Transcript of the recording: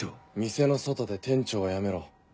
店の外で「店長」はやめろ。